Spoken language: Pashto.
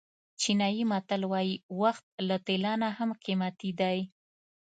چینایي متل وایي وخت له طلا نه هم قیمتي دی.